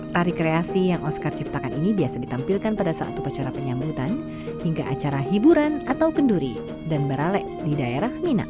tari kreasi yang oscar ciptakan ini biasa ditampilkan pada saat upacara penyambutan hingga acara hiburan atau kenduri dan baralek di daerah minang